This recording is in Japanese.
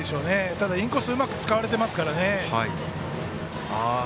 ただ、インコースをうまく使われていますから。